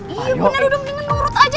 iya bener udah mendingan menurut aja